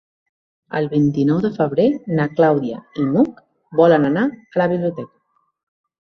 El vint-i-nou de febrer na Clàudia i n'Hug volen anar a la biblioteca.